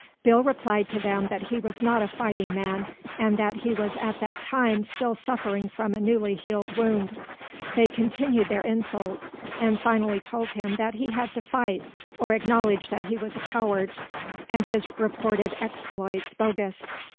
Bill replied to them that he was not a fighting man, and that he was at that time still suffering from a newly healed wound. They continued their insults, and finally told him that he had to fight or acknowledge that he was a coward and his reported exploits bogus.